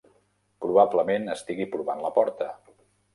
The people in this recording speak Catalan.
Probablement estigui provant la porta!